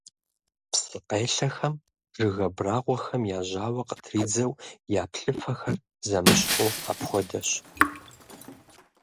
Псыкъелъэхэм жыг абрагъуэхэм я жьауэ къытридзэу, я плъыфэхэр зэмыщхьу апхуэдэщ.